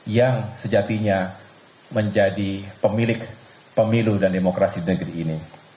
yang sejatinya menjadi pemilik pemilu dan demokrasi negeri ini